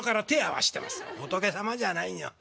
「仏様じゃないよ。